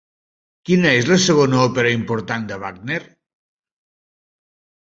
Quina és la segona òpera important de Wagner?